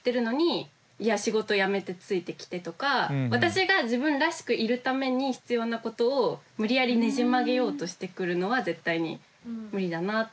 例えば私が私が自分らしくいるために必要なことを無理やりねじ曲げようとしてくるのは絶対に無理だな。